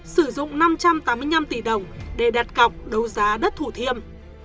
sử dụng năm trăm tám mươi năm tỷ đồng để đặt cọc đấu giá đất thủ thiêm